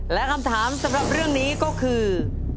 และคำถามสำหรับเรื่องนี้ก็คือ